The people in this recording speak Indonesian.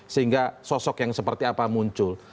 sehingga sosok yang seperti apa muncul